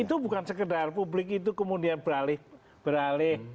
itu bukan sekedar publik itu kemudian beralih